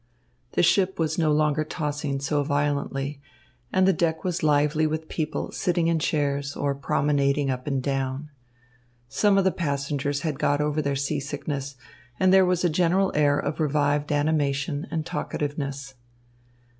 The ship was no longer tossing so violently, and the deck was lively with people sitting in chairs or promenading up and down. Some of the passengers had got over their seasickness, and there was a general air of revived animation and talkativeness.